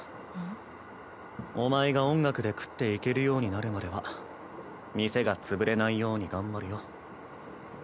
お前が音楽で食っていけるようになるまでは店が潰れないように頑張るよ。